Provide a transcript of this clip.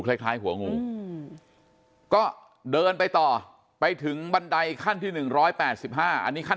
คล้ายหัวงูก็เดินไปต่อไปถึงบันไดขั้นที่๑๘๕อันนี้ขั้น